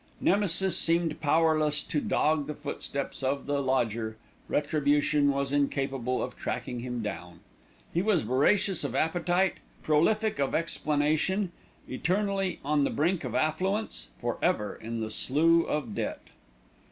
Nemesis seemed powerless to dog the footsteps of the lodger, retribution was incapable of tracking him down. He was voracious of appetite, prolific of explanation, eternally on the brink of affluence, for ever in the slough of debt.